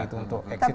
untuk exit semacam itu